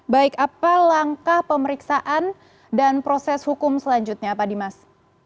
baik apa langkah pemeriksaan dan proses hukum selanjutnya pak dimas